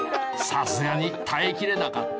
さすがに耐えきれなかった。